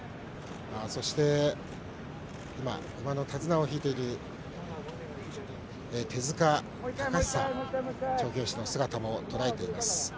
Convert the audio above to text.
そして、馬の手綱を引いている手塚貴久調教師の姿も捉えています。